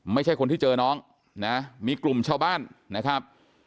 ไม่ใช่คนที่เจอน้องนะมีกลุ่มชาวบ้านนะครับ